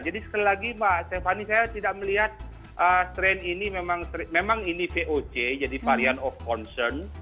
jadi sekali lagi mbak stephanie saya tidak melihat strain ini memang ini voc jadi varian of concern